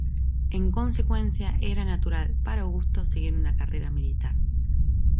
En consecuencia, era natural para Augusto seguir una carrera militar.